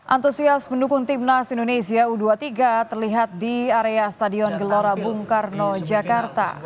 antusias pendukung timnas indonesia u dua puluh tiga terlihat di area stadion gelora bung karno jakarta